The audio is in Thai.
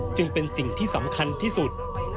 จึงเป็นสิ่งที่สำคัญที่สุด